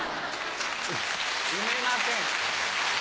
産めません。